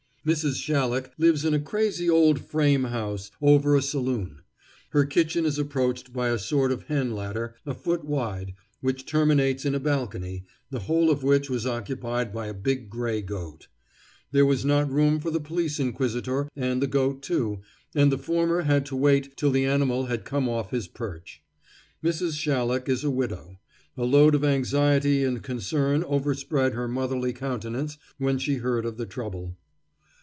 Mrs. Shallock lives in a crazy old frame house, over a saloon. Her kitchen is approached by a sort of hen ladder, a foot wide, which terminates in a balcony, the whole of which was occupied by a big gray goat. There was not room for the police inquisitor and the goat too, and the former had to wait till the animal had come off his perch. Mrs. Shallock is a widow. A load of anxiety and concern overspread her motherly countenance when she heard of the trouble.